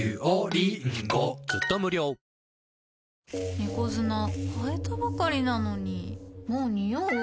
猫砂替えたばかりなのにもうニオう？